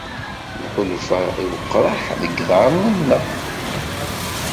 Nḥulfa i weqraḥ deg yiḍarren-nneɣ.